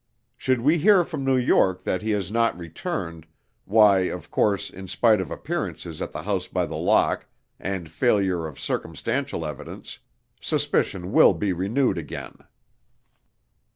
Should we hear from New York that he has not returned, why of course, in spite of appearances at the House by the Lock and failure of circumstantial evidence, suspicion will be renewed again."